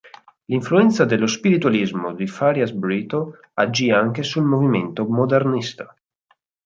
L'influenza dello spiritualismo di Farias Brito agì anche sul movimento modernista.